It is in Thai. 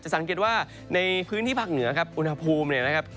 สังเกตว่าในพื้นที่ภาคเหนือครับอุณหภูมิเนี่ยนะครับ